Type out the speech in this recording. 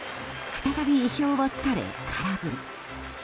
再び意表を突かれ、空振り。